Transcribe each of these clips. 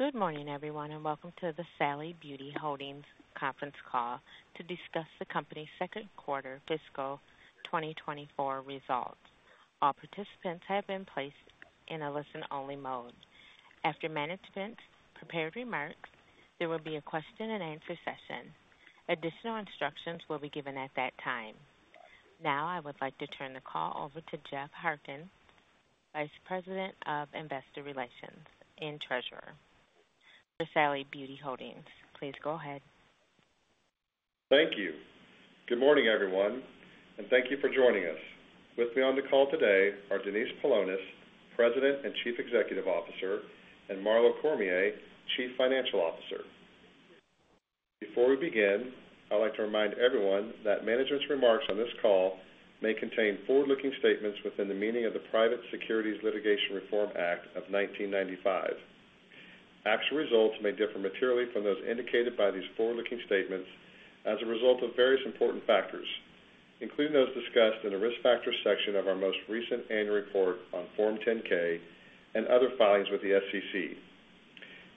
Good morning, everyone, and welcome to the Sally Beauty Holdings Conference Call to discuss the company's second quarter fiscal 2024 results. All participants have been placed in a listen-only mode. After management's prepared remarks, there will be a question-and-answer session. Additional instructions will be given at that time. Now I would like to turn the call over to Jeff Harkins, Vice President of Investor Relations and Treasurer. For Sally Beauty Holdings, please go ahead. Thank you. Good morning, everyone, and thank you for joining us. With me on the call today are Denise Paulonis, President and Chief Executive Officer, and Marlo Cormier, Chief Financial Officer. Before we begin, I'd like to remind everyone that management's remarks on this call may contain forward-looking statements within the meaning of the Private Securities Litigation Reform Act of 1995. Actual results may differ materially from those indicated by these forward-looking statements as a result of various important factors, including those discussed in the risk factors section of our most recent annual report on Form 10-K and other filings with the SEC.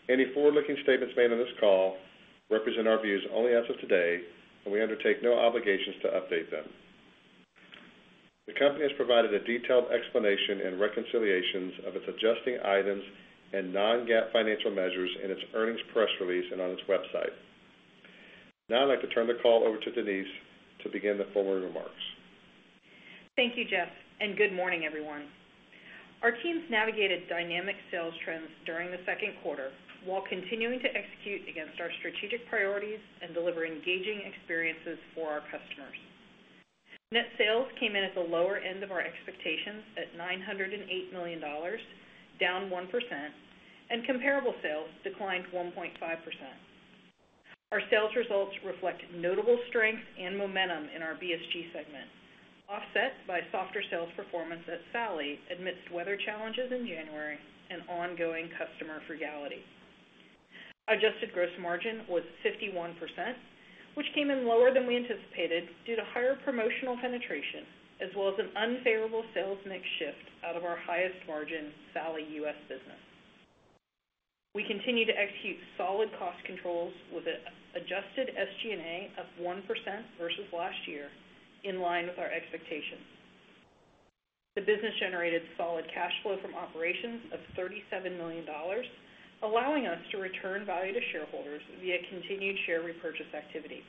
Any forward-looking statements made on this call represent our views only as of today, and we undertake no obligations to update them. The company has provided a detailed explanation and reconciliations of its adjusting items and non-GAAP financial measures in its earnings press release and on its website. Now I'd like to turn the call over to Denise to begin the formal remarks. Thank you, Jeff, and good morning, everyone. Our teams navigated dynamic sales trends during the second quarter while continuing to execute against our strategic priorities and deliver engaging experiences for our customers. Net sales came in at the lower end of our expectations at $908 million, down 1%, and comparable sales declined 1.5%. Our sales results reflect notable strength and momentum in our BSG segment, offset by softer sales performance at Sally amidst weather challenges in January and ongoing customer frugality. Adjusted gross margin was 51%, which came in lower than we anticipated due to higher promotional penetration as well as an unfavorable sales mix shift out of our highest margin, Sally U.S. business. We continue to execute solid cost controls with an adjusted SG&A of 1% versus last year, in line with our expectations. The business generated solid cash flow from operations of $37 million, allowing us to return value to shareholders via continued share repurchase activity.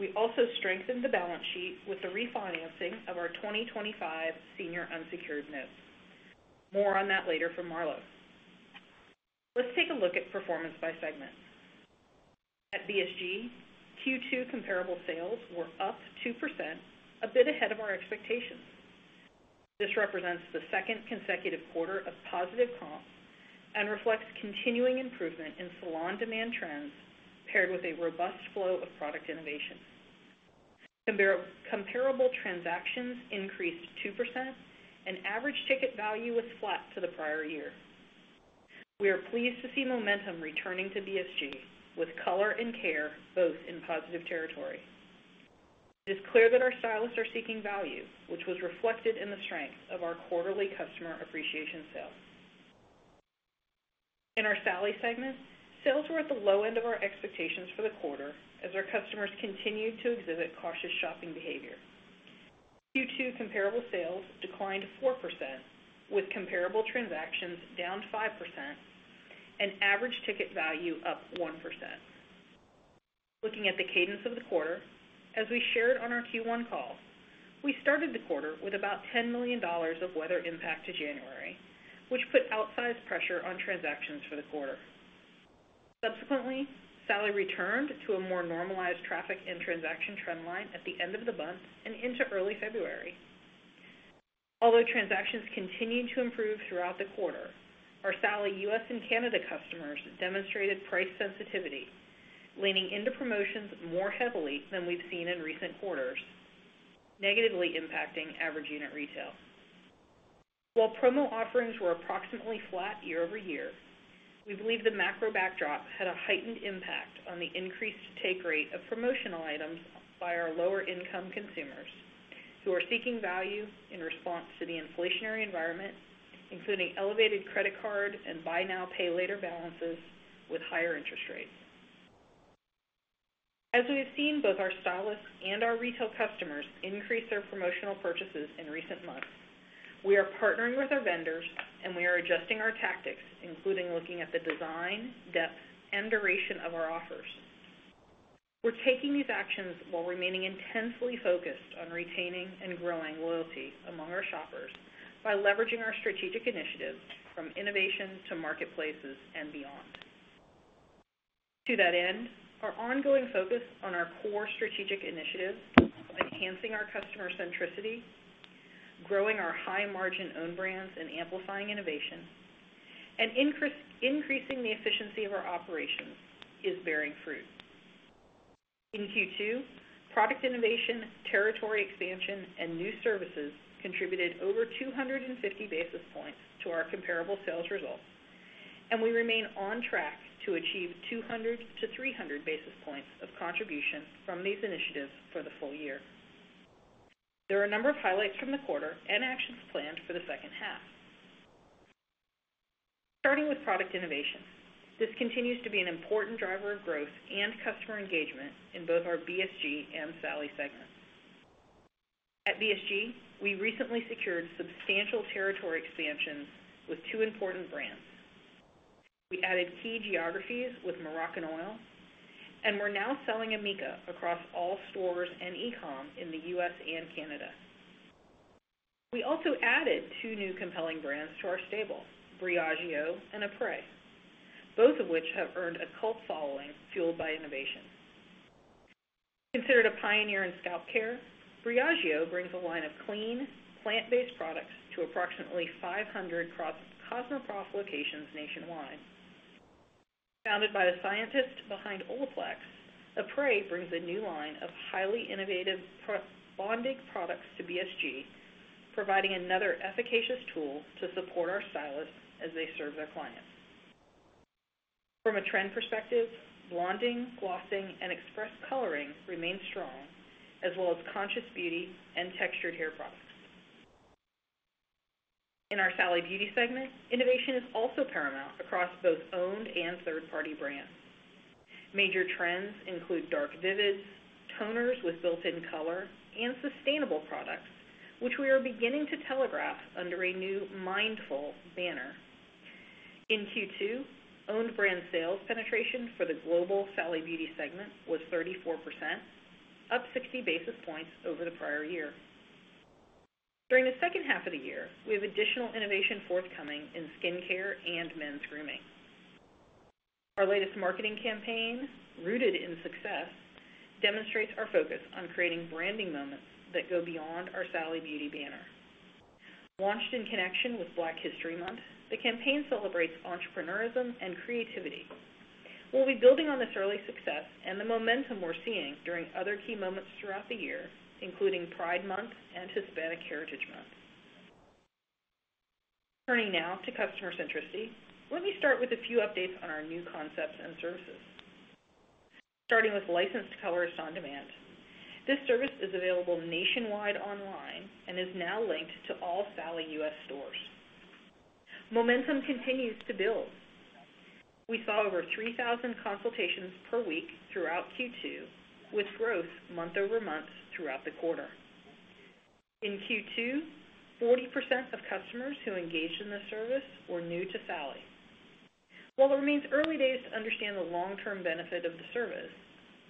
We also strengthened the balance sheet with the refinancing of our 2025 senior unsecured notes. More on that later from Marlo. Let's take a look at performance by segment. At BSG, Q2 comparable sales were up 2%, a bit ahead of our expectations. This represents the second consecutive quarter of positive comps and reflects continuing improvement in salon demand trends paired with a robust flow of product innovation. Comparable transactions increased 2%, and average ticket value was flat to the prior year. We are pleased to see momentum returning to BSG, with color and care both in positive territory. It is clear that our stylists are seeking value, which was reflected in the strength of our quarterly customer appreciation sale. In our Sally segment, sales were at the low end of our expectations for the quarter as our customers continued to exhibit cautious shopping behavior. Q2 comparable sales declined 4%, with comparable transactions down 5% and average ticket value up 1%. Looking at the cadence of the quarter, as we shared on our Q1 call, we started the quarter with about $10 million of weather impact to January, which put outsized pressure on transactions for the quarter. Subsequently, Sally returned to a more normalized traffic and transaction trendline at the end of the month and into early February. Although transactions continued to improve throughout the quarter, our Sally U.S. and Canada customers demonstrated price sensitivity, leaning into promotions more heavily than we've seen in recent quarters, negatively impacting average unit retail. While promo offerings were approximately flat year-over-year, we believe the macro backdrop had a heightened impact on the increased take rate of promotional items by our lower-income consumers, who are seeking value in response to the inflationary environment, including elevated credit card and buy-now-pay-later balances with higher interest rates. As we've seen both our stylists and our retail customers increase their promotional purchases in recent months, we are partnering with our vendors, and we are adjusting our tactics, including looking at the design, depth, and duration of our offers. We're taking these actions while remaining intensely focused on retaining and growing loyalty among our shoppers by leveraging our strategic initiatives from innovation to marketplaces and beyond. To that end, our ongoing focus on our core strategic initiatives, enhancing our customer centricity, growing our high-margin owned brands, and amplifying innovation, and increasing the efficiency of our operations, is bearing fruit. In Q2, product innovation, territory expansion, and new services contributed over 250 basis points to our comparable sales results, and we remain on track to achieve 200-300 basis points of contribution from these initiatives for the full year. There are a number of highlights from the quarter and actions planned for the second half. Starting with product innovation, this continues to be an important driver of growth and customer engagement in both our BSG and Sally segments. At BSG, we recently secured substantial territory expansions with two important brands. We added key geographies with Moroccanoil, and we're now selling amika across all stores and e-comm in the U.S. and Canada. We also added two new compelling brands to our stable, Briogeo and epres, both of which have earned a cult following fueled by innovation. Considered a pioneer in scalp care, Briogeo brings a line of clean, plant-based products to approximately 500 Cosmo Prof locations nationwide. Founded by the scientists behind Olaplex, epres brings a new line of highly innovative bonding products to BSG, providing another efficacious tool to support our stylists as they serve their clients. From a trend perspective, blonding, glossing, and express coloring remain strong, as well as conscious beauty and textured hair products. In our Sally Beauty segment, innovation is also paramount across both owned and third-party brands. Major trends include dark vivids, toners with built-in color, and sustainable products, which we are beginning to telegraph under a new Mindful banner. In Q2, owned brand sales penetration for the global Sally Beauty segment was 34%, up 60 basis points over the prior year. During the second half of the year, we have additional innovation forthcoming in skincare and men's grooming. Our latest marketing campaign, Rooted in Success, demonstrates our focus on creating branding moments that go beyond our Sally Beauty banner. Launched in connection with Black History Month, the campaign celebrates entrepreneurism and creativity. We'll be building on this early success and the momentum we're seeing during other key moments throughout the year, including Pride Month and Hispanic Heritage Month. Turning now to customer centricity, let me start with a few updates on our new concepts and services. Licensed Colorist onDemand. this service is available nationwide online and is now linked to all Sally U.S. stores. Momentum continues to build. We saw over 3,000 consultations per week throughout Q2, with growth month-over-month throughout the quarter. In Q2, 40% of customers who engaged in the service were new to Sally. While it remains early days to understand the long-term benefit of the service,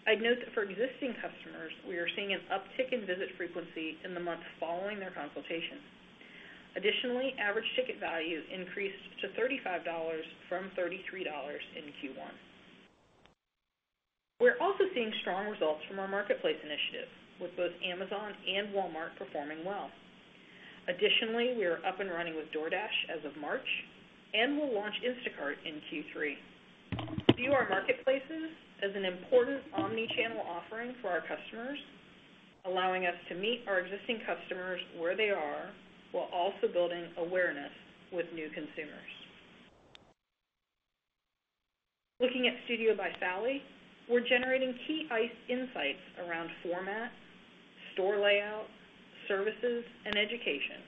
I'd note that for existing customers, we are seeing an uptick in visit frequency in the month following their consultation. Additionally, average ticket value increased to $35 from $33 in Q1. We're also seeing strong results from our marketplace initiative, with both Amazon and Walmart performing well. Additionally, we are up and running with DoorDash as of March, and we'll launch Instacart in Q3. View our marketplaces as an important omnichannel offering for our customers, allowing us to meet our existing customers where they are while also building awareness with new consumers. Looking at Studio by Sally, we're generating key insights around format, store layout, services, and education,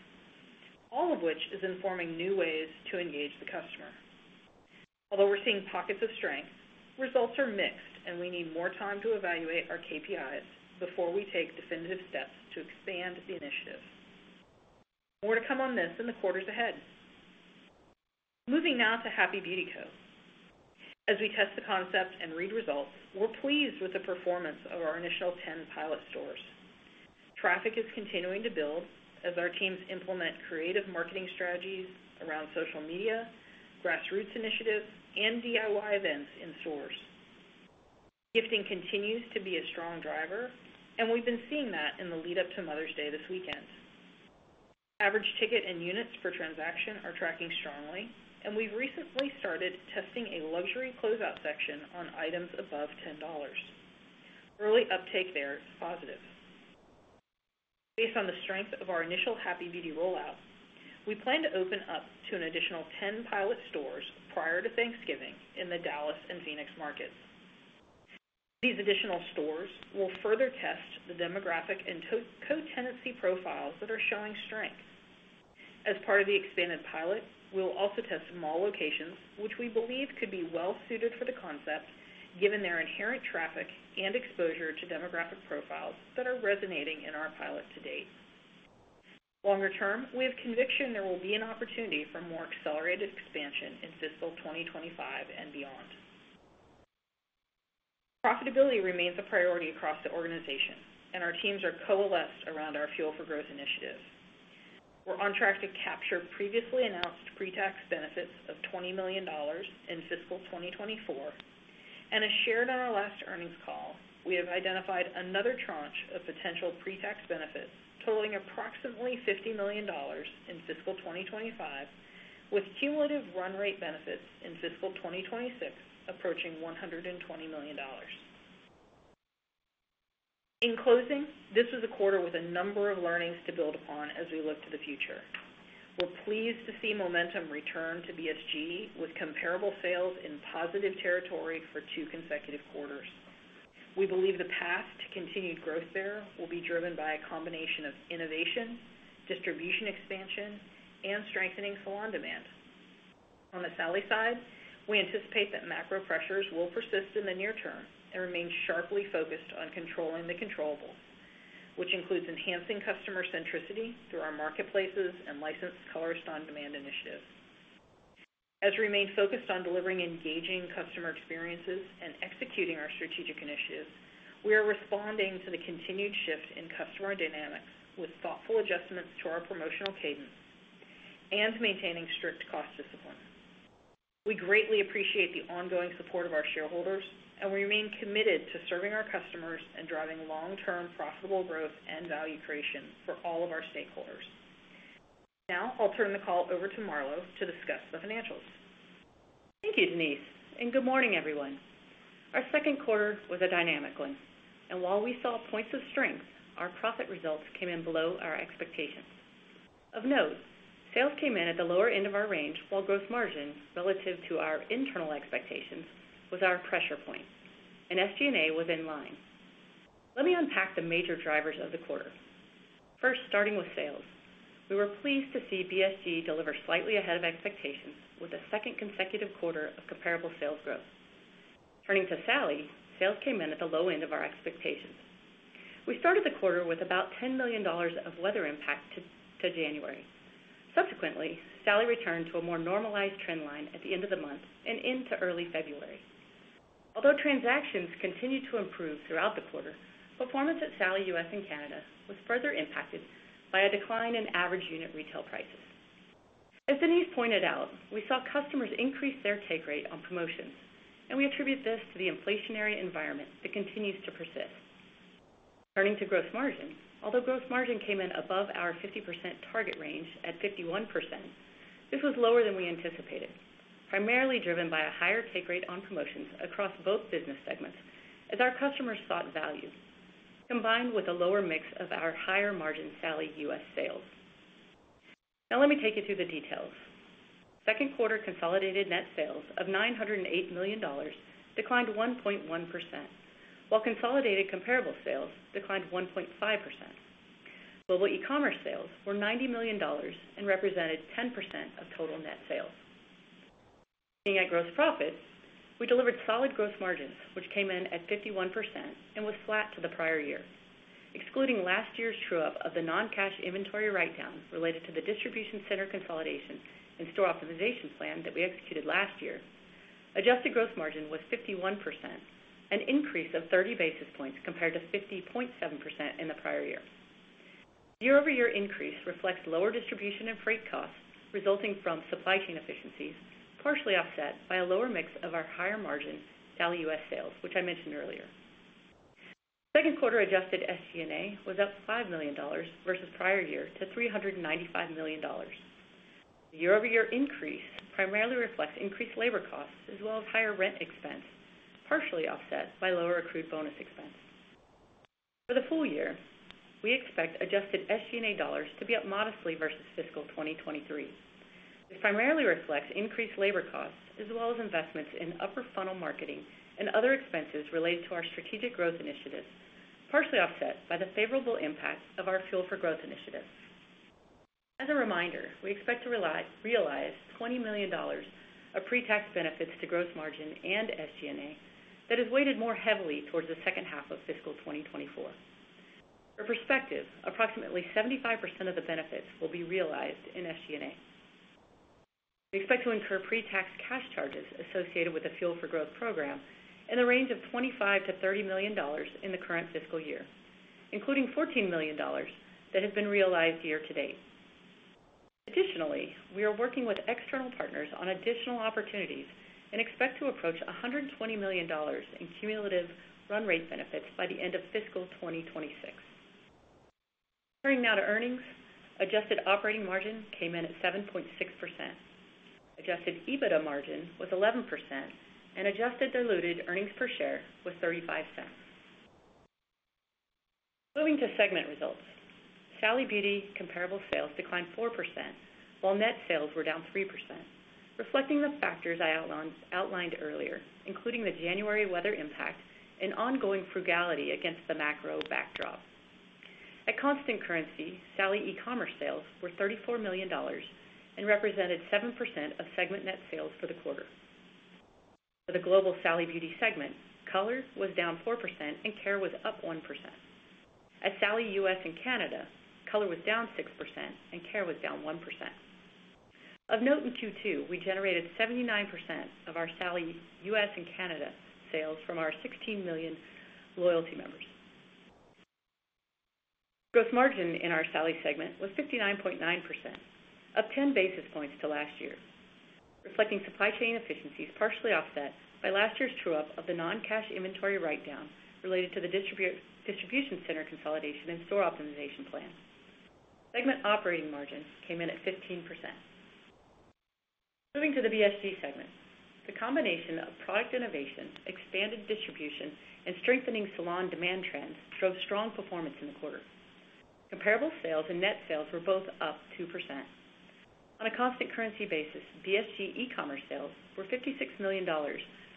all of which is informing new ways to engage the customer. Although we're seeing pockets of strength, results are mixed, and we need more time to evaluate our KPIs before we take definitive steps to expand the initiative. More to come on this in the quarters ahead. Moving now to Happy Beauty Co. As we test the concept and read results, we're pleased with the performance of our initial 10 pilot stores. Traffic is continuing to build as our teams implement creative marketing strategies around social media, grassroots initiatives, and DIY events in stores. Gifting continues to be a strong driver, and we've been seeing that in the lead-up to Mother's Day this weekend. Average ticket and units per transaction are tracking strongly, and we've recently started testing a luxury closeout section on items above $10. Early uptake there is positive. Based on the strength of our initial Happy Beauty rollout, we plan to open up to an additional 10 pilot stores prior to Thanksgiving in the Dallas and Phoenix markets. These additional stores will further test the demographic and co-tenancy profiles that are showing strength. As part of the expanded pilot, we'll also test small locations, which we believe could be well-suited for the concept, given their inherent traffic and exposure to demographic profiles that are resonating in our pilot to date. Longer term, we have conviction there will be an opportunity for more accelerated expansion in fiscal 2025 and beyond. Profitability remains a priority across the organization, and our teams are coalesced around our Fuel for Growth initiative. We're on track to capture previously announced pretax benefits of $20 million in fiscal 2024, and as shared on our last earnings call, we have identified another tranche of potential pretax benefits totaling approximately $50 million in fiscal 2025, with cumulative run-rate benefits in fiscal 2026 approaching $120 million. In closing, this was a quarter with a number of learnings to build upon as we look to the future. We're pleased to see momentum return to BSG with comparable sales in positive territory for two consecutive quarters. We believe the path to continued growth there will be driven by a combination of innovation, distribution expansion, and strengthening salon demand. On the Sally side, we anticipate that macro pressures will persist in the near term and remain sharply focused on controlling the controllables, which includes enhancing customer centricity through our marketplaces and licensed colors on demand initiatives. As we remain focused on delivering engaging customer experiences and executing our strategic initiatives, we are responding to the continued shift in customer dynamics with thoughtful adjustments to our promotional cadence and maintaining strict cost discipline. We greatly appreciate the ongoing support of our shareholders, and we remain committed to serving our customers and driving long-term profitable growth and value creation for all of our stakeholders. Now I'll turn the call over to Marlo to discuss the financials. Thank you, Denise, and good morning, everyone. Our second quarter was a dynamic one, and while we saw points of strength, our profit results came in below our expectations. Of note, sales came in at the lower end of our range while gross margin, relative to our internal expectations, was our pressure point, and SG&A was in line. Let me unpack the major drivers of the quarter. First, starting with sales, we were pleased to see BSG deliver slightly ahead of expectations with a second consecutive quarter of comparable sales growth. Turning to Sally, sales came in at the low end of our expectations. We started the quarter with about $10 million of weather impact to January. Subsequently, Sally returned to a more normalized trendline at the end of the month and into early February. Although transactions continued to improve throughout the quarter, performance at Sally U.S. and Canada was further impacted by a decline in average unit retail prices. As Denise pointed out, we saw customers increase their take rate on promotions, and we attribute this to the inflationary environment that continues to persist. Turning to gross margin, although gross margin came in above our 50% target range at 51%, this was lower than we anticipated, primarily driven by a higher take rate on promotions across both business segments as our customers sought value, combined with a lower mix of our higher-margin Sally U.S. sales. Now let me take you through the details. Second quarter consolidated net sales of $908 million declined 1.1%, while consolidated comparable sales declined 1.5%. Global e-commerce sales were $90 million and represented 10% of total net sales. Looking at gross profits, we delivered solid gross margins, which came in at 51% and was flat to the prior year. Excluding last year's true-up of the non-cash inventory write-down related to the distribution center consolidation and store optimization plan that we executed last year, adjusted gross margin was 51%, an increase of 30 basis points compared to 50.7% in the prior year. The year-over-year increase reflects lower distribution and freight costs resulting from supply chain efficiencies, partially offset by a lower mix of our higher-margin Sally U.S. sales, which I mentioned earlier. Second quarter adjusted SG&A was up $5 million versus prior year to $395 million. The year-over-year increase primarily reflects increased labor costs as well as higher rent expense, partially offset by lower accrued bonus expense. For the full year, we expect adjusted SG&A dollars to be up modestly versus fiscal 2023. This primarily reflects increased labor costs as well as investments in upper funnel marketing and other expenses related to our strategic growth initiatives, partially offset by the favorable impact of our Fuel for Growth initiatives. As a reminder, we expect to realize $20 million of pretax benefits to gross margin and SG&A that is weighted more heavily towards the second half of fiscal 2024. For perspective, approximately 75% of the benefits will be realized in SG&A. We expect to incur pretax cash charges associated with the Fuel for Growth program in the range of $25-$30 million in the current fiscal year, including $14 million that has been realized year to date. Additionally, we are working with external partners on additional opportunities and expect to approach $120 million in cumulative run-rate benefits by the end of fiscal 2026. Turning now to earnings, adjusted operating margin came in at 7.6%. Adjusted EBITDA margin was 11%, and adjusted diluted earnings per share was $0.35. Moving to segment results. Sally Beauty comparable sales declined 4% while net sales were down 3%, reflecting the factors I outlined earlier, including the January weather impact and ongoing frugality against the macro backdrop. At constant currency, Sally e-commerce sales were $34 million and represented 7% of segment net sales for the quarter. For the global Sally Beauty segment, color was down 4% and care was up 1%. At Sally U.S. and Canada, color was down 6% and care was down 1%. Of note, in Q2, we generated 79% of our Sally U.S. and Canada sales from our 16 million loyalty members. Gross margin in our Sally segment was 59.9%, up 10 basis points to last year, reflecting supply chain efficiencies partially offset by last year's true-up of the non-cash inventory write-down related to the distribution center consolidation and store optimization plan. Segment operating margin came in at 15%. Moving to the BSG segment. The combination of product innovation, expanded distribution, and strengthening salon demand trends drove strong performance in the quarter. Comparable sales and net sales were both up 2%. On a constant currency basis, BSG e-commerce sales were $56 million,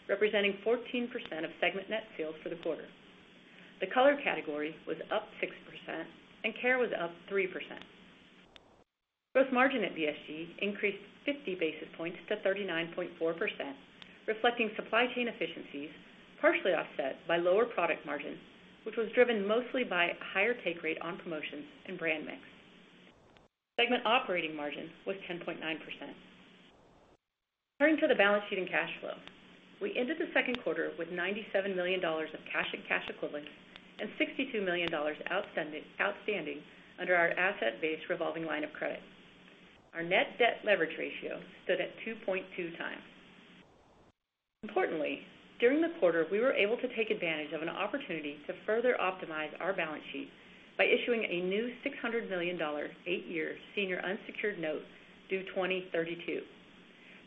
representing 14% of segment net sales for the quarter. The color category was up 6% and care was up 3%. Gross margin at BSG increased 50 basis points to 39.4%, reflecting supply chain efficiencies partially offset by lower product margin, which was driven mostly by a higher take rate on promotions and brand mix. Segment operating margin was 10.9%. Turning to the balance sheet and cash flow. We ended the second quarter with $97 million of cash and cash equivalents and $62 million outstanding under our asset-based revolving line of credit. Our net debt leverage ratio stood at 2.2 times. Importantly, during the quarter, we were able to take advantage of an opportunity to further optimize our balance sheet by issuing a new $600 million, 8-year senior unsecured note due 2032.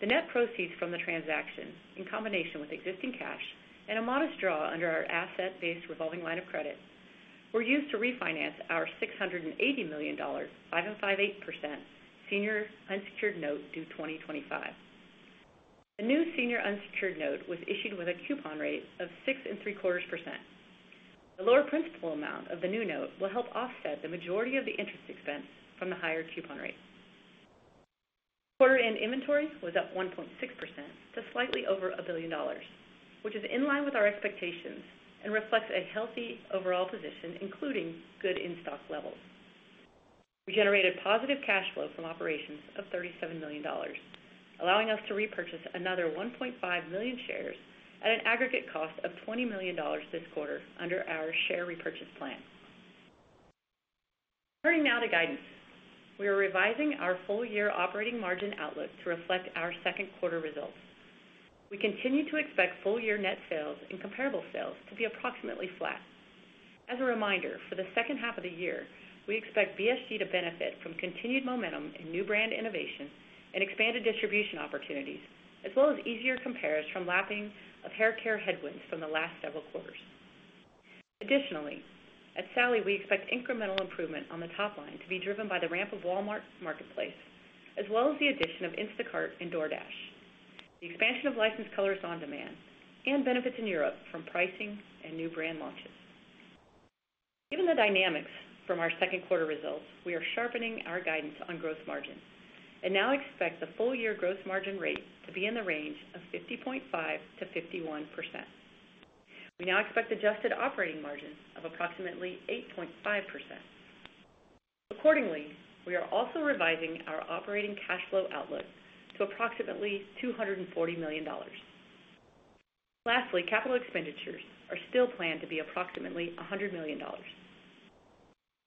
The net proceeds from the transaction, in combination with existing cash and a modest draw under our asset-based revolving line of credit, were used to refinance our $680 million, 5.58% senior unsecured note due 2025. The new senior unsecured note was issued with a coupon rate of 6.75%. The lower principal amount of the new note will help offset the majority of the interest expense from the higher coupon rate. Quarter-end inventory was up 1.6% to slightly over $1 billion, which is in line with our expectations and reflects a healthy overall position, including good in-stock levels. We generated positive cash flow from operations of $37 million, allowing us to repurchase another 1.5 million shares at an aggregate cost of $20 million this quarter under our share repurchase plan. Turning now to guidance. We are revising our full-year operating margin outlook to reflect our second quarter results. We continue to expect full-year net sales and comparable sales to be approximately flat. As a reminder, for the second half of the year, we expect BSG to benefit from continued momentum in new brand innovation and expanded distribution opportunities, as well as easier compares from lapping of haircare headwinds from the last several quarters. Additionally, at Sally, we expect incremental improvement on the top line to be driven by the ramp of Walmart marketplace, as well as the addition of Instacart and DoorDash, the Licensed Colorist onDemand, and benefits in Europe from pricing and new brand launches. Given the dynamics from our second quarter results, we are sharpening our guidance on gross margin and now expect the full-year gross margin rate to be in the range of 50.5%-51%. We now expect adjusted operating margin of approximately 8.5%. Accordingly, we are also revising our operating cash flow outlook to approximately $240 million. Lastly, capital expenditures are still planned to be approximately $100 million.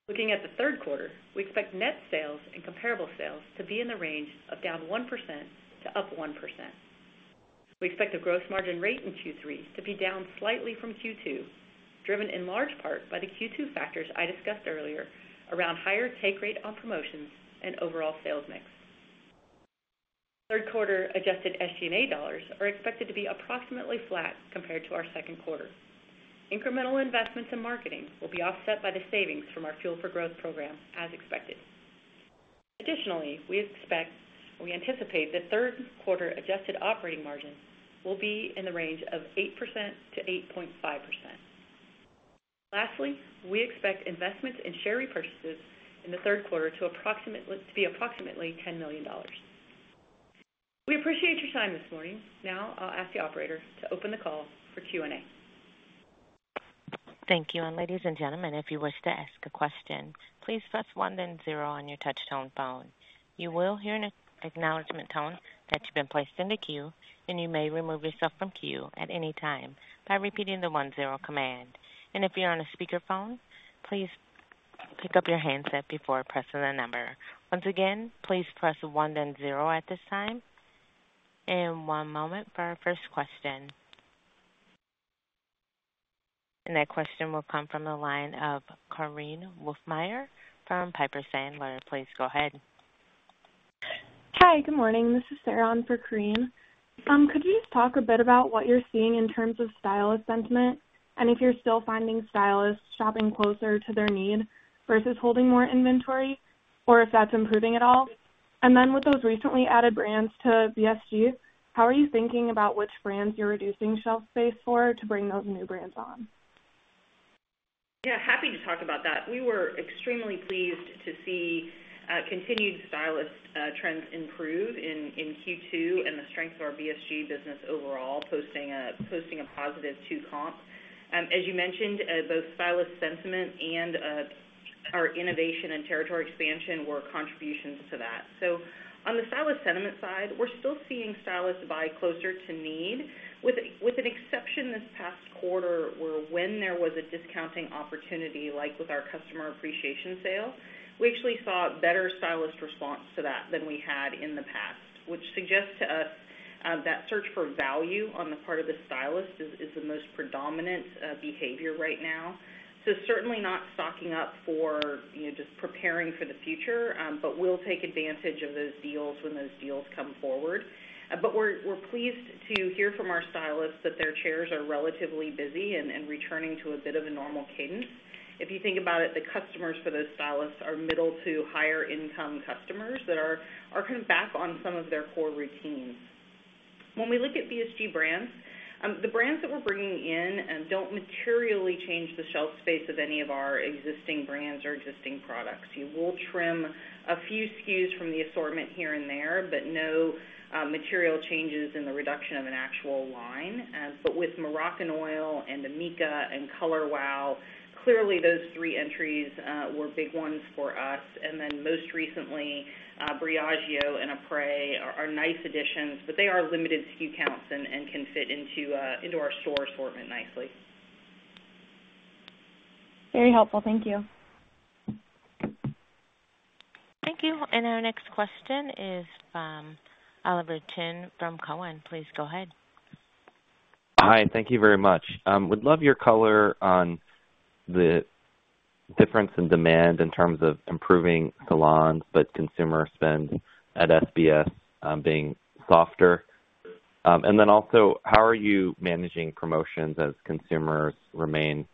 Looking at the third quarter, we expect net sales and comparable sales to be in the range of -1% to +1%. We expect the gross margin rate in Q3 to be down slightly from Q2, driven in large part by the Q2 factors I discussed earlier around higher take rate on promotions and overall sales mix. Third quarter Adjusted SG&A dollars are expected to be approximately flat compared to our second quarter. Incremental investments in marketing will be offset by the savings from our Fuel for Growth program, as expected. Additionally, we expect or we anticipate the third quarter adjusted operating margin will be in the range of 8%-8.5%. Lastly, we expect investments in share repurchases in the third quarter to be approximately $10 million. We appreciate your time this morning. Now I'll ask the operator to open the call for Q&A. Thank you. And ladies and gentlemen, if you wish to ask a question, please press one then zero on your touch-tone phone. You will hear an acknowledgment tone that you've been placed into queue, and you may remove yourself from queue at any time by repeating the one-zero command. And if you're on a speakerphone, please pick up your handset before pressing the number. Once again, please press one then zero at this time. And one moment for our first question. And that question will come from the line of Korinne Wolfmeyer from Piper Sandler. Please go ahead. Hi. Good morning. This is Sarah on for Korinne. Could you just talk a bit about what you're seeing in terms of stylist sentiment and if you're still finding stylists shopping closer to their need versus holding more inventory, or if that's improving at all? And then with those recently added brands to BSG, how are you thinking about which brands you're reducing shelf space for to bring those new brands on? Yeah. Happy to talk about that. We were extremely pleased to see continued stylist trends improve in Q2 and the strength of our BSG business overall, posting a positive 2-comps. As you mentioned, both stylist sentiment and our innovation and territory expansion were contributions to that. So on the stylist sentiment side, we're still seeing stylists buy closer to need, with an exception this past quarter where, when there was a discounting opportunity, like with our customer appreciation sale, we actually saw a better stylist response to that than we had in the past, which suggests to us that search for value on the part of the stylist is the most predominant behavior right now. So certainly not stocking up for just preparing for the future, but we'll take advantage of those deals when those deals come forward. But we're pleased to hear from our stylists that their chairs are relatively busy and returning to a bit of a normal cadence. If you think about it, the customers for those stylists are middle to higher-income customers that are kind of back on some of their core routines. When we look at BSG brands, the brands that we're bringing in don't materially change the shelf space of any of our existing brands or existing products. You will trim a few SKUs from the assortment here and there, but no material changes in the reduction of an actual line. But with Moroccanoil and amika and Color Wow, clearly those three entries were big ones for us. And then most recently, Briogeo and epres are nice additions, but they are limited SKU counts and can fit into our store assortment nicely. Very helpful. Thank you. Thank you. Our next question is from Oliver Chen from Cowen. Please go ahead. Hi. Thank you very much. Would love your color on the difference in demand in terms of improving salons but consumer spend at SBS being softer. And then also, how are you managing promotions as consumers remain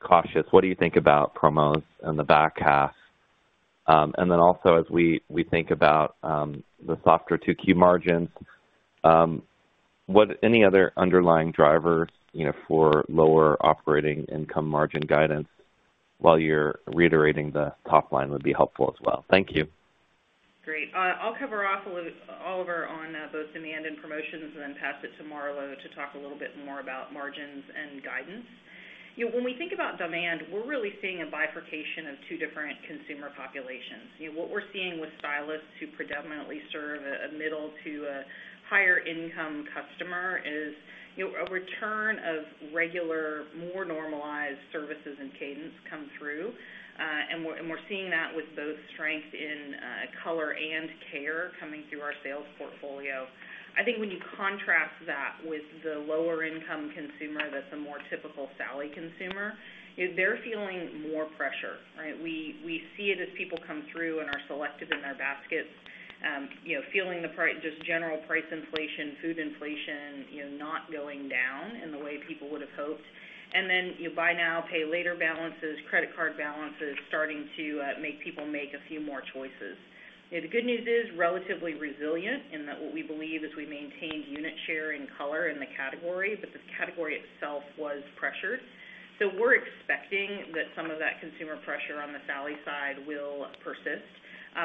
cautious? What do you think about promos in the back half? And then also, as we think about the softer 2Q margins, any other underlying drivers for lower operating income margin guidance while you're reiterating the top line would be helpful as well. Thank you. Great. I'll cover off Oliver on both demand and promotions and then pass it to Marlo to talk a little bit more about margins and guidance. When we think about demand, we're really seeing a bifurcation of two different consumer populations. What we're seeing with stylists who predominantly serve a middle to higher-income customer is a return of regular, more normalized services and cadence come through. And we're seeing that with both strength in color and care coming through our sales portfolio. I think when you contrast that with the lower-income consumer that's a more typical Sally consumer, they're feeling more pressure, right? We see it as people come through and are selective in their baskets, feeling the just general price inflation, food inflation not going down in the way people would have hoped. And then buy now, pay later balances, credit card balances starting to make people make a few more choices. The good news is relatively resilient in that what we believe is we maintained unit share in color in the category, but the category itself was pressured. So we're expecting that some of that consumer pressure on the Sally side will persist,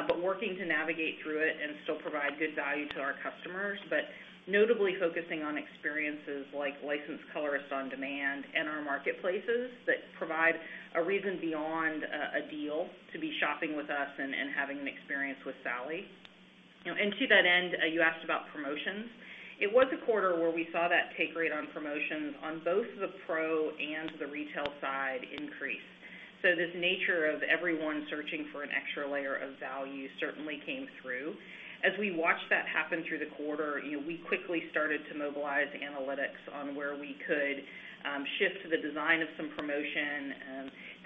but working to navigate through it and still provide good value to our customers, but notably focusing on Licensed Colorist onDemand and our marketplaces that provide a reason beyond a deal to be shopping with us and having an experience with Sally. And to that end, you asked about promotions. It was a quarter where we saw that take rate on promotions on both the pro and the retail side increase. So this nature of everyone searching for an extra layer of value certainly came through. As we watched that happen through the quarter, we quickly started to mobilize analytics on where we could shift the design of some promotion,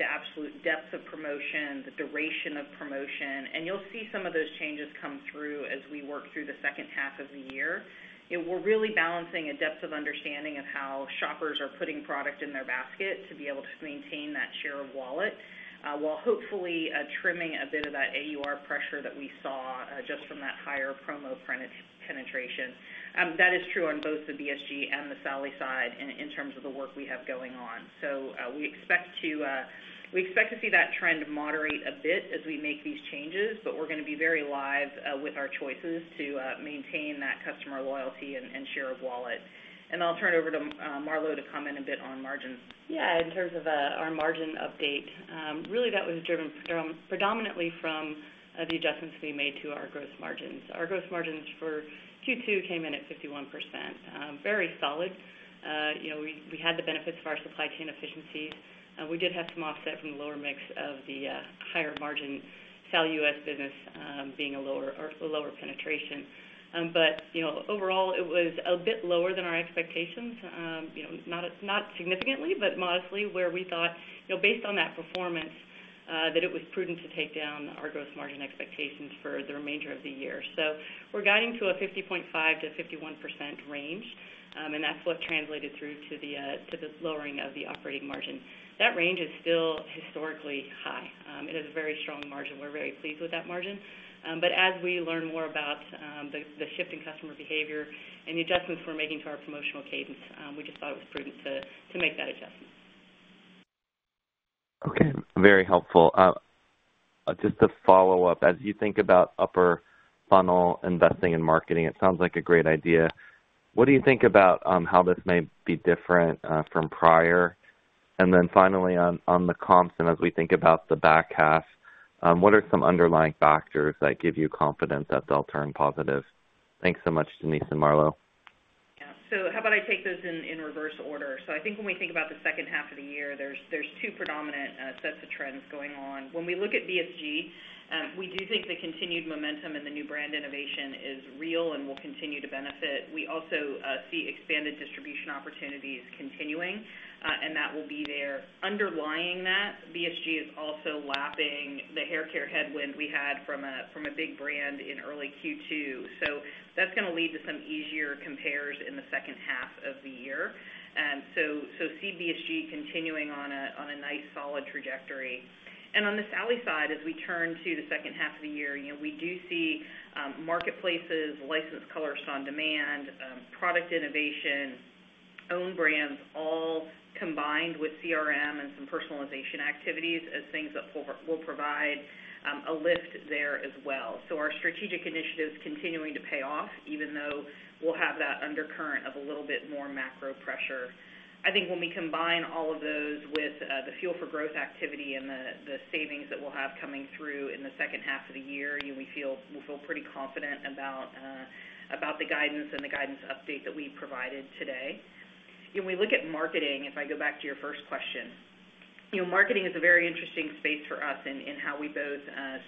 the absolute depth of promotion, the duration of promotion. You'll see some of those changes come through as we work through the second half of the year. We're really balancing a depth of understanding of how shoppers are putting product in their basket to be able to maintain that share of wallet while hopefully trimming a bit of that AUR pressure that we saw just from that higher promo penetration. That is true on both the BSG and the Sally side in terms of the work we have going on. We expect to see that trend moderate a bit as we make these changes, but we're going to be very live with our choices to maintain that customer loyalty and share of wallet. I'll turn over to Marlo to comment a bit on margins. Yeah. In terms of our margin update, really that was driven predominantly from the adjustments we made to our gross margins. Our gross margins for Q2 came in at 51%, very solid. We had the benefits of our supply chain efficiencies. We did have some offset from the lower mix of the higher margin Sally U.S. business being a lower penetration. But overall, it was a bit lower than our expectations, not significantly, but modestly, where we thought, based on that performance, that it was prudent to take down our gross margin expectations for the remainder of the year. So we're guiding to a 50.5%-51% range, and that's what translated through to the lowering of the operating margin. That range is still historically high. It is a very strong margin. We're very pleased with that margin. But as we learn more about the shift in customer behavior and the adjustments we're making to our promotional cadence, we just thought it was prudent to make that adjustment. Okay. Very helpful. Just to follow up, as you think about upper funnel investing and marketing, it sounds like a great idea. What do you think about how this may be different from prior? And then finally, on the comps and as we think about the back half, what are some underlying factors that give you confidence that they'll turn positive? Thanks so much, Denise and Marlo. Yeah. So how about I take those in reverse order? So I think when we think about the second half of the year, there's two predominant sets of trends going on. When we look at BSG, we do think the continued momentum and the new brand innovation is real and will continue to benefit. We also see expanded distribution opportunities continuing, and that will be there. Underlying that, BSG is also lapping the haircare headwind we had from a big brand in early Q2. So that's going to lead to some easier compares in the second half of the year. So see BSG continuing on a nice, solid trajectory. On the Sally side, as we turn to the second half of the year, we do Licensed Colorist onDemand, product innovation, owned brands, all combined with CRM and some personalization activities as things that will provide a lift there as well. Our strategic initiatives continuing to pay off even though we'll have that undercurrent of a little bit more macro pressure. I think when we combine all of those with the Fuel for Growth activity and the savings that we'll have coming through in the second half of the year, we'll feel pretty confident about the guidance and the guidance update that we provided today. When we look at marketing, if I go back to your first question, marketing is a very interesting space for us in how we both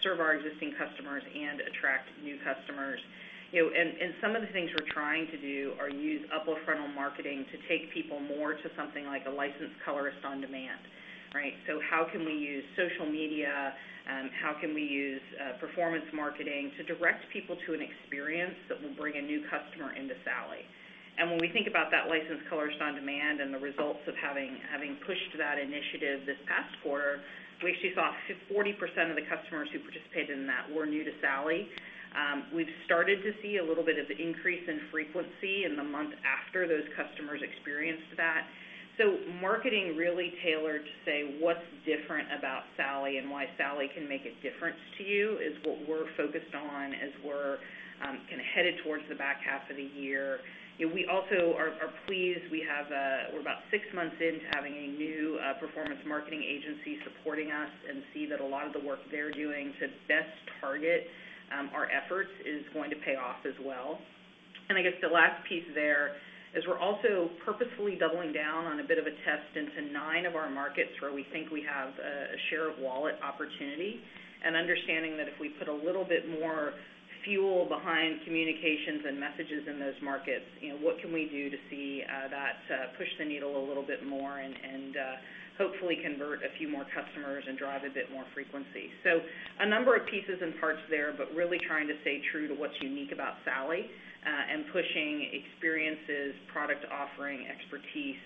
serve our existing customers and attract new customers. Some of the things we're trying to do are use upper-funnel marketing to take people more to Licensed Colorist onDemand, right? so how can we use social media? How can we use performance marketing to direct people to an experience that will bring a new customer into Sally? And when we think Licensed Colorist onDemand and the results of having pushed that initiative this past quarter, we actually saw 40% of the customers who participated in that were new to Sally. We've started to see a little bit of an increase in frequency in the month after those customers experienced that. So marketing really tailored to say what's different about Sally and why Sally can make a difference to you is what we're focused on as we're kind of headed towards the back half of the year. We also are pleased. We're about six months into having a new performance marketing agency supporting us and see that a lot of the work they're doing to best target our efforts is going to pay off as well. And I guess the last piece there is we're also purposefully doubling down on a bit of a test into nine of our markets where we think we have a share of wallet opportunity and understanding that if we put a little bit more fuel behind communications and messages in those markets, what can we do to see that push the needle a little bit more and hopefully convert a few more customers and drive a bit more frequency? So a number of pieces and parts there, but really trying to stay true to what's unique about Sally and pushing experiences, product offering, expertise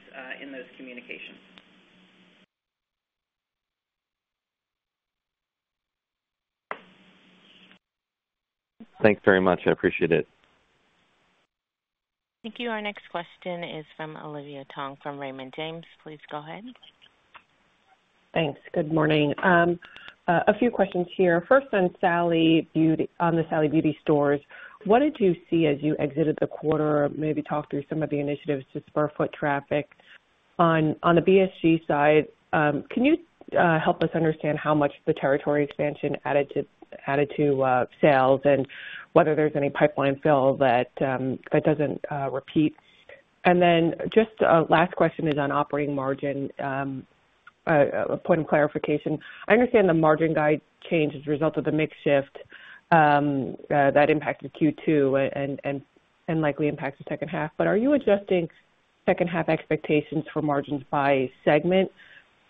in those communications. Thanks very much. I appreciate it. Thank you. Our next question is from Olivia Tong from Raymond James. Please go ahead. Thanks. Good morning. A few questions here. First on Sally Beauty on the Sally Beauty stores, what did you see as you exited the quarter, maybe talk through some of the initiatives to spur foot traffic? On the BSG side, can you help us understand how much the territory expansion added to sales and whether there's any pipeline fill that doesn't repeat? And then just last question is on operating margin, a point of clarification. I understand the margin guide change as a result of the mix shift that impacted Q2 and likely impacts the second half, but are you adjusting second half expectations for margins by segment?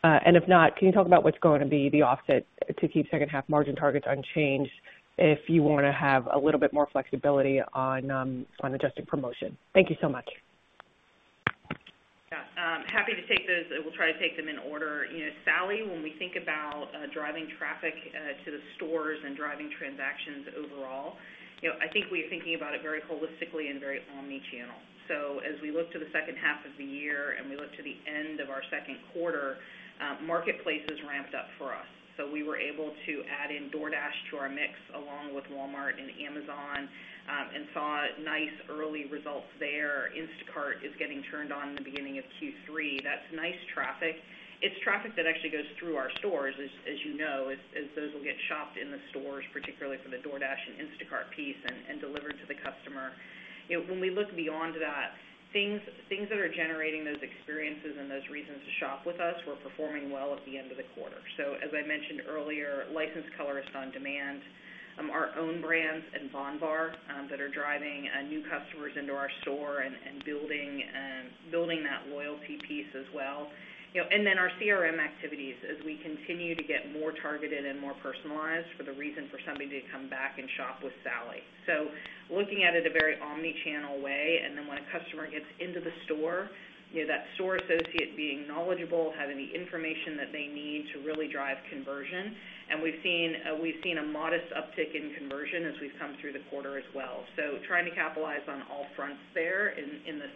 And if not, can you talk about what's going to be the offset to keep second half margin targets unchanged if you want to have a little bit more flexibility on adjusting promotion? Thank you so much. Yeah. Happy to take those. We'll try to take them in order. Sally, when we think about driving traffic to the stores and driving transactions overall, I think we are thinking about it very holistically and very omnichannel. So as we look to the second half of the year and we look to the end of our second quarter, marketplaces ramped up for us. So we were able to add in DoorDash to our mix along with Walmart and Amazon and saw nice early results there. Instacart is getting turned on in the beginning of Q3. That's nice traffic. It's traffic that actually goes through our stores, as you know, as those will get shopped in the stores, particularly for the DoorDash and Instacart piece and delivered to the customer. When we look beyond that, things that are generating those experiences and those reasons to shop with us were performing well at the end of the quarter. So as I Licensed Colorist onDemand, our own brands and bondbar that are driving new customers into our store and building that loyalty piece as well. And then our CRM activities as we continue to get more targeted and more personalized for the reason for somebody to come back and shop with Sally. So looking at it a very omnichannel way. And then when a customer gets into the store, that store associate being knowledgeable, having the information that they need to really drive conversion. And we've seen a modest uptick in conversion as we've come through the quarter as well. So trying to capitalize on all fronts there in this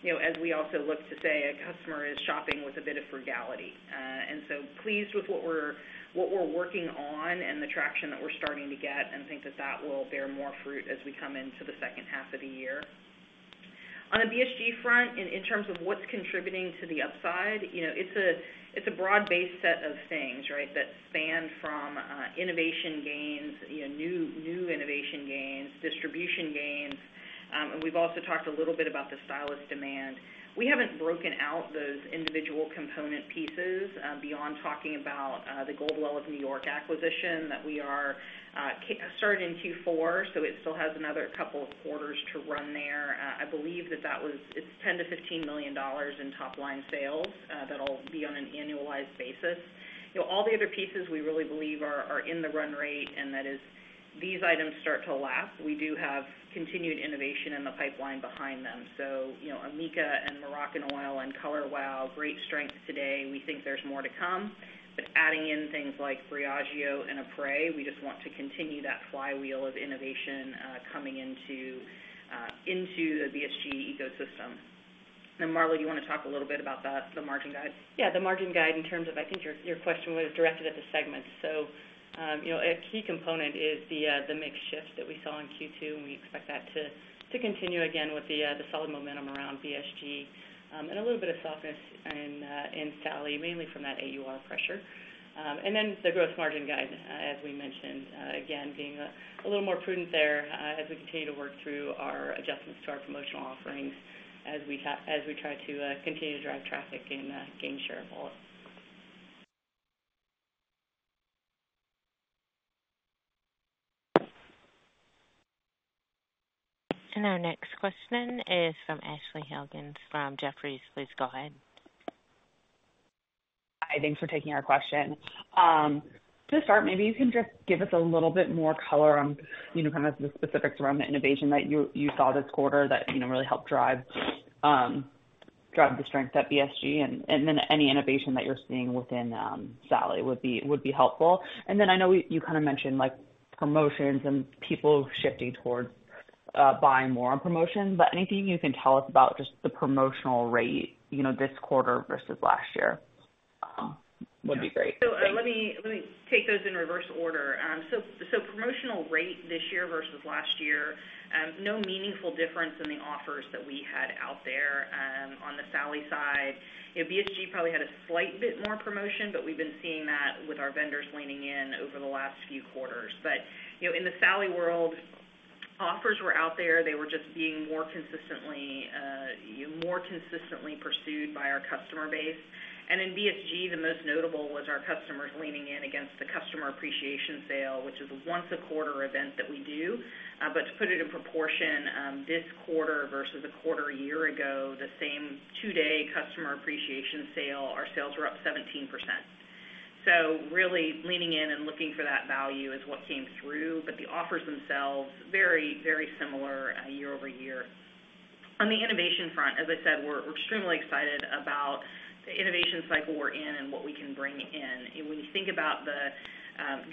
as we also look to say a customer is shopping with a bit of frugality. And so pleased with what we're working on and the traction that we're starting to get and think that that will bear more fruit as we come into the second half of the year. On the BSG front, in terms of what's contributing to the upside, it's a broad-based set of things, right, that span from innovation gains, new innovation gains, distribution gains. And we've also talked a little bit about the stylist demand. We haven't broken out those individual component pieces beyond talking about the Goldwell of New York acquisition that we are starting in Q4, so it still has another couple of quarters to run there. I believe that that was, it's $10 million-$15 million in top-line sales that'll be on an annualized basis. All the other pieces, we really believe, are in the run rate, and that is these items start to lap. We do have continued innovation in the pipeline behind them. So amika and Moroccanoil and Color Wow, great strength today. We think there's more to come. But adding in things like Briogeo and epres, we just want to continue that flywheel of innovation coming into the BSG ecosystem. And Marlo, do you want to talk a little bit about the margin guide? Yeah. The margin guide in terms of I think your question was directed at the segments. So a key component is the mix shift that we saw in Q2, and we expect that to continue again with the solid momentum around BSG and a little bit of softness in Sally, mainly from that AUR pressure. And then the gross margin guide, as we mentioned, again, being a little more prudent there as we continue to work through our adjustments to our promotional offerings as we try to continue to drive traffic and gain share of wallet. Our next question is from Ashley Helgans from Jefferies. Please go ahead. Hi. Thanks for taking our question. To start, maybe you can just give us a little bit more color on kind of the specifics around the innovation that you saw this quarter that really helped drive the strength at BSG and then any innovation that you're seeing within Sally would be helpful. And then I know you kind of mentioned promotions and people shifting towards buying more on promotions, but anything you can tell us about just the promotional rate this quarter versus last year would be great. So let me take those in reverse order. So promotional rate this year versus last year, no meaningful difference in the offers that we had out there on the Sally side. BSG probably had a slight bit more promotion, but we've been seeing that with our vendors leaning in over the last few quarters. But in the Sally world, offers were out there. They were just being more consistently pursued by our customer base. And in BSG, the most notable was our customers leaning in against the customer appreciation sale, which is once a quarter event that we do. But to put it in proportion, this quarter versus a quarter a year ago, the same two-day customer appreciation sale, our sales were up 17%. So really leaning in and looking for that value is what came through, but the offers themselves, very, very similar year-over-year. On the innovation front, as I said, we're extremely excited about the innovation cycle we're in and what we can bring in. When you think about the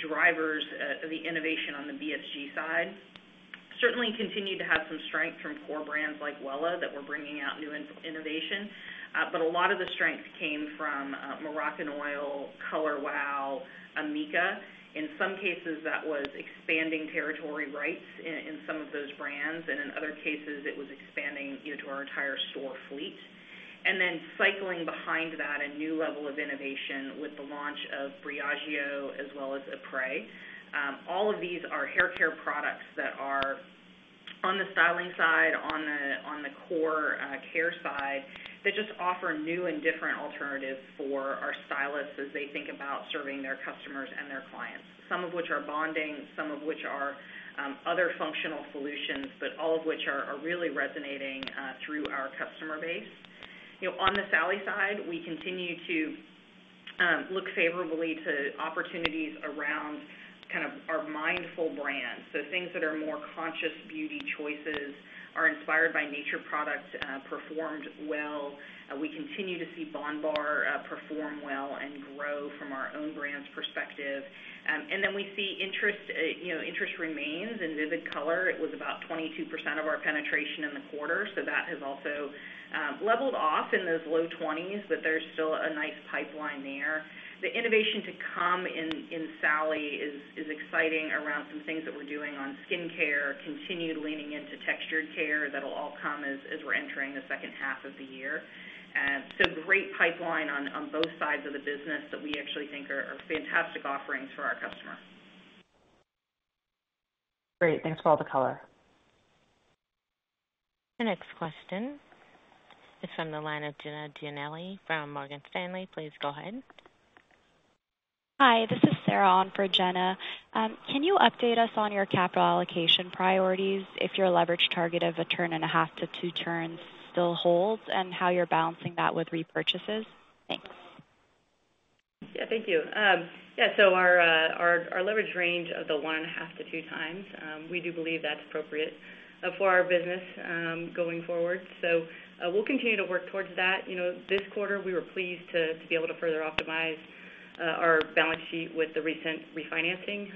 drivers of the innovation on the BSG side, certainly continued to have some strength from core brands like Wella that were bringing out new innovation. But a lot of the strength came from Moroccanoil, Color Wow, amika. In some cases, that was expanding territory rights in some of those brands. And in other cases, it was expanding to our entire store fleet. And then cycling behind that, a new level of innovation with the launch of Briogeo as well as epres. All of these are hair care products that are on the styling side, on the core care side that just offer new and different alternatives for our stylists as they think about serving their customers and their clients, some of which are bonding, some of which are other functional solutions, but all of which are really resonating through our customer base. On the Sally side, we continue to look favorably to opportunities around kind of our mindful brands. So things that are more conscious beauty choices are inspired by nature products performed well. We continue to see bondbar perform well and grow from our own brand's perspective. And then we see interest remains in vivid color. It was about 22% of our penetration in the quarter, so that has also leveled off in those low 20s, but there's still a nice pipeline there. The innovation to come in Sally is exciting around some things that we're doing on skincare, continued leaning into textured care that'll all come as we're entering the second half of the year. So great pipeline on both sides of the business that we actually think are fantastic offerings for our customer. Great. Thanks for all the color. The next question is from the line of Jenna Giannelli from Morgan Stanley. Please go ahead. Hi. This is Sarah on for Jenna. Can you update us on your capital allocation priorities if your leverage target of 1.5 turns-2 turns still holds and how you're balancing that with repurchases? Thanks. Yeah. Thank you. Yeah. So our leverage range of 1.5-2x, we do believe that's appropriate for our business going forward. So we'll continue to work towards that. This quarter, we were pleased to be able to further optimize our balance sheet with the recent refinancing.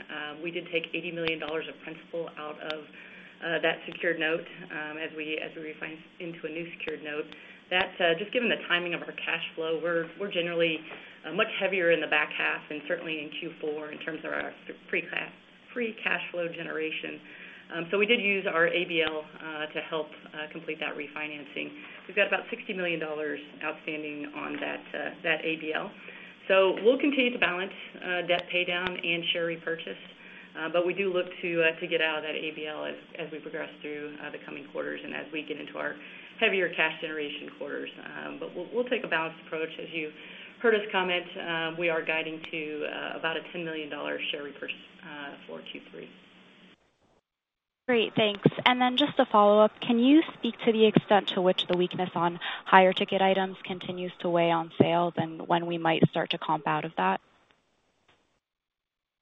We did take $80 million of principal out of that secured note as we refinanced into a new secured note. Just given the timing of our cash flow, we're generally much heavier in the back half and certainly in Q4 in terms of our free cash flow generation. So we did use our ABL to help complete that refinancing. We've got about $60 million outstanding on that ABL. We'll continue to balance debt paydown and share repurchase, but we do look to get out of that ABL as we progress through the coming quarters and as we get into our heavier cash generation quarters. But we'll take a balanced approach. As you heard us comment, we are guiding to about a $10 million share repurchase for Q3. Great. Thanks. Then just to follow up, can you speak to the extent to which the weakness on higher-ticket items continues to weigh on sales and when we might start to comp out of that?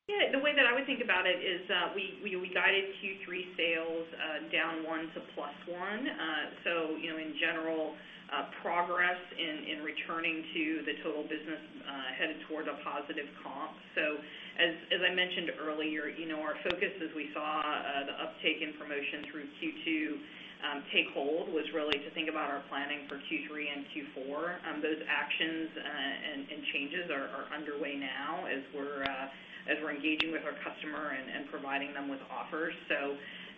Yeah. The way that I would think about it is we guided Q3 sales down 1% to +1%. So in general, progress in returning to the total business headed toward a positive comp. So as I mentioned earlier, our focus, as we saw the uptake in promotion through Q2 take hold, was really to think about our planning for Q3 and Q4. Those actions and changes are underway now as we're engaging with our customer and providing them with offers.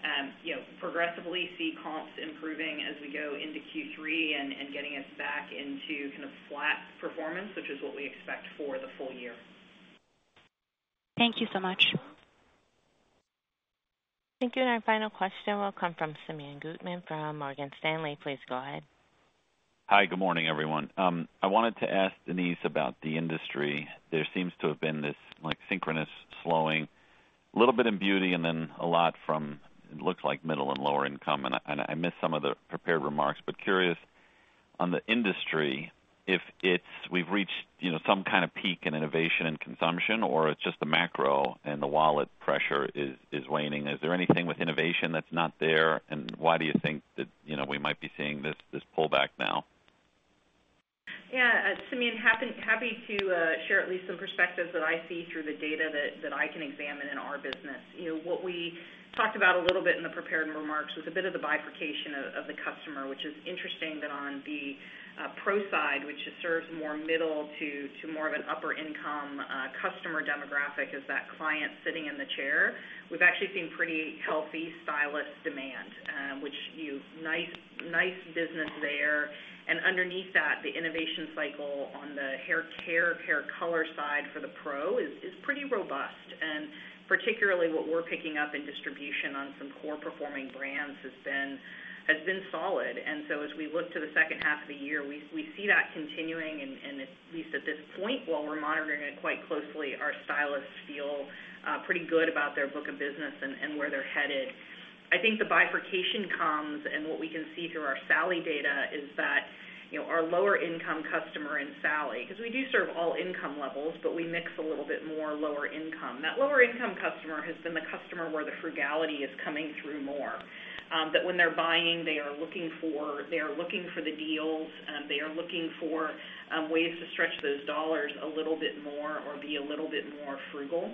So progressively see comps improving as we go into Q3 and getting us back into kind of flat performance, which is what we expect for the full year. Thank you so much. Thank you. Our final question will come from Simeon Gutman from Morgan Stanley. Please go ahead. Hi. Good morning, everyone. I wanted to ask Denise about the industry. There seems to have been this synchronous slowing, a little bit in beauty and then a lot from, it looks like, middle and lower income. And I missed some of the prepared remarks, but curious on the industry, if we've reached some kind of peak in innovation and consumption or it's just the macro and the wallet pressure is waning, is there anything with innovation that's not there? And why do you think that we might be seeing this pullback now? Yeah. Simeon, happy to share at least some perspectives that I see through the data that I can examine in our business. What we talked about a little bit in the prepared remarks was a bit of the bifurcation of the customer, which is interesting that on the pro side, which serves more middle to more of an upper-income customer demographic as that client sitting in the chair, we've actually seen pretty healthy stylist demand, which nice business there. And underneath that, the innovation cycle on the hair care, hair color side for the pro is pretty robust. And particularly what we're picking up in distribution on some core-performing brands has been solid. And so as we look to the second half of the year, we see that continuing. At least at this point, while we're monitoring it quite closely, our stylists feel pretty good about their book of business and where they're headed. I think the bifurcation comes, and what we can see through our Sally data is that our lower-income customer in Sally, because we do serve all income levels, but we mix a little bit more lower income. That lower-income customer has been the customer where the frugality is coming through more, that when they're buying, they are looking for they are looking for the deals. They are looking for ways to stretch those dollars a little bit more or be a little bit more frugal.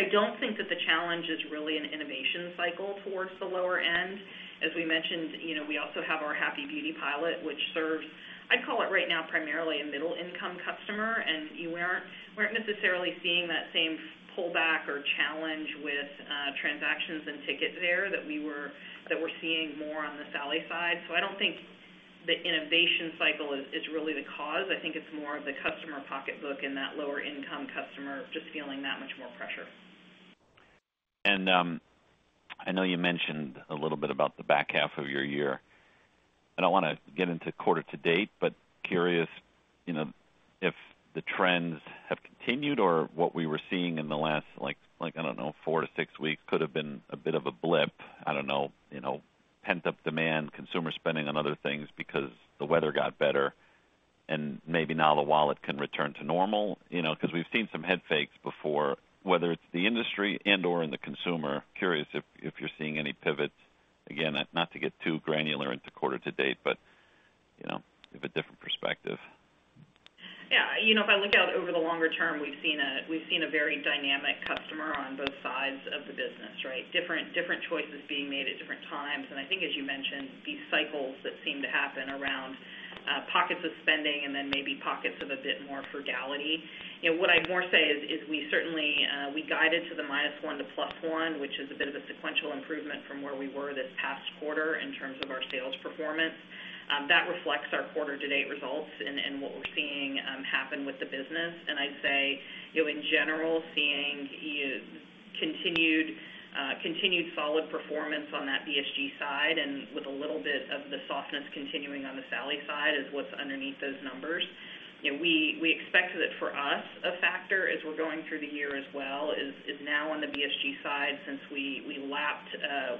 I don't think that the challenge is really an innovation cycle towards the lower end. As we mentioned, we also have our Happy Beauty pilot, which serves, I'd call it right now, primarily a middle-income customer. We aren't necessarily seeing that same pullback or challenge with transactions and ticket there that we were seeing more on the Sally side. So I don't think the innovation cycle is really the cause. I think it's more of the customer pocketbook and that lower-income customer just feeling that much more pressure. I know you mentioned a little bit about the back half of your year. I don't want to get into quarter to date, but curious if the trends have continued or what we were seeing in the last, I don't know, four to six weeks could have been a bit of a blip, I don't know, pent-up demand, consumer spending on other things because the weather got better, and maybe now the wallet can return to normal because we've seen some head fakes before, whether it's the industry and/or in the consumer. Curious if you're seeing any pivots. Again, not to get too granular into quarter to date, but you have a different perspective. Yeah. If I look out over the longer term, we've seen a very dynamic customer on both sides of the business, right, different choices being made at different times. And I think, as you mentioned, these cycles that seem to happen around pockets of spending and then maybe pockets of a bit more frugality. What I'd more say is we guided to the -1% to +1%, which is a bit of a sequential improvement from where we were this past quarter in terms of our sales performance. That reflects our quarter-to-date results and what we're seeing happen with the business. And I'd say, in general, seeing continued solid performance on that BSG side and with a little bit of the softness continuing on the Sally side is what's underneath those numbers. We expect that for us, a factor as we're going through the year as well, is now on the BSG side since we lapped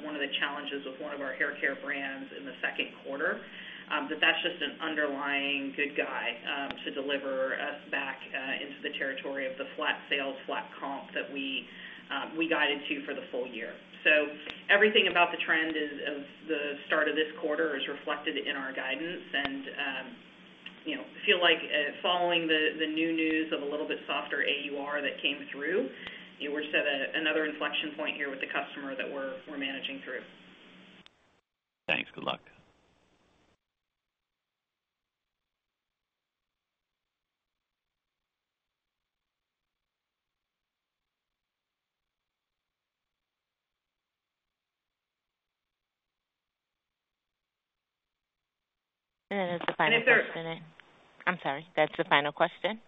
one of the challenges with one of our hair care brands in the second quarter, that that's just an underlying good guy to deliver us back into the territory of the flat sales, flat comp that we guided to for the full year. So everything about the trend of the start of this quarter is reflected in our guidance. And I feel like following the new news of a little bit softer AUR that came through, we're set at another inflection point here with the customer that we're managing through. Thanks. Good luck. That is the final question. Is there I'm sorry. That's the final question.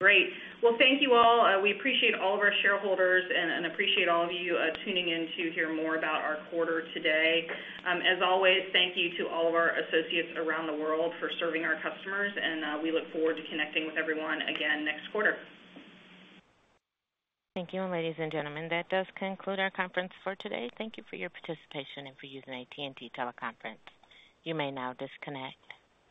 Great. Well, thank you all. We appreciate all of our shareholders and appreciate all of you tuning in to hear more about our quarter today. As always, thank you to all of our associates around the world for serving our customers. And we look forward to connecting with everyone again next quarter. Thank you, ladies and gentlemen. That does conclude our conference for today. Thank you for your participation and for using AT&T Teleconference. You may now disconnect.